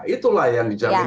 itulah yang dijaminkan